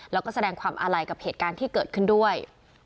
แล้วก็แสดงความอาลัยกับเหตุการณ์ที่เกิดขึ้นด้วย